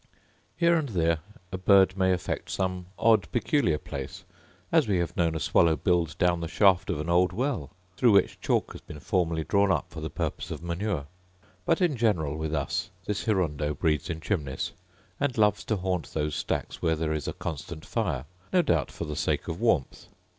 Here and there a bird may affect some odd, peculiar place; as we have known a swallow build down the shaft of an old well, through which chalk had been formerly drawn up for the purpose of manure: but in general with us this hirundo breeds in chimneys; and loves to haunt those stacks where there is a constant fire, no doubt for the sake of warmth.